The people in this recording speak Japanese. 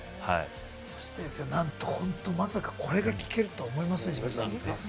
そしてなんとなんと、これがまさか聞けるとは思ってませんでした。